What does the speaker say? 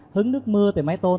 hứng nước mưa từ mái tôn